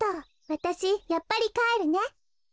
わたしやっぱりかえるね。